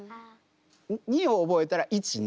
２を覚えたら１２。